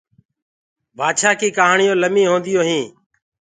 بآدڇآنٚ ڪيٚ ڪهآڻيونٚ لَميِ هونديونٚ هينٚ۔